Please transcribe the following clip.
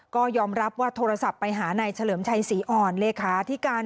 ก็ยอมรับว่าโทรศัพท์ไปหานายเฉลิมชัยศรีอ่อนเลขาที่การ